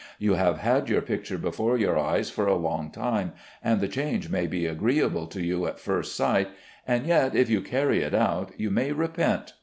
You have had your picture before your eyes for a long time, and the change may be agreeable to you at first sight; and yet, if you carry it out, you may repent.